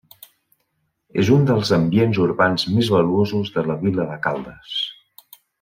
És un dels ambients urbans més valuosos de la vila de Caldes.